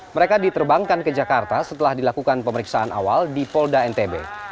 mereka diterbangkan ke jakarta setelah dilakukan pemeriksaan awal di polda ntb